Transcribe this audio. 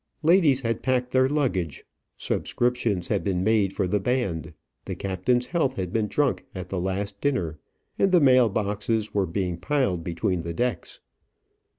Ladies had packed their luggage; subscriptions had been made for the band; the captain's health had been drunk at the last dinner; and the mail boxes were being piled between the decks.